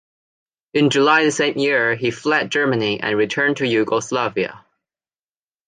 In July the same year he fled Germany and returned to Yugoslavia.